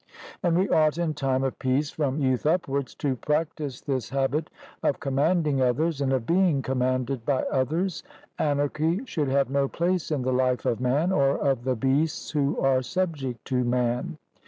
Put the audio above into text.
And we ought in time of peace from youth upwards to practise this habit of commanding others, and of being commanded by others; anarchy should have no place in the life of man or of the beasts who are subject to man.